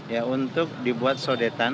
ya untuk dibuat sodetan